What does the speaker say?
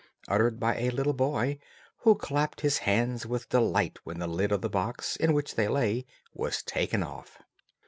uttered by a little boy, who clapped his hands with delight when the lid of the box, in which they lay, was taken off.